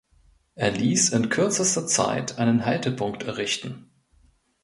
Er ließ in kürzester Zeit einen Haltepunkt errichten.